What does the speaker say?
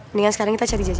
dengan sekarang kita jadi yuk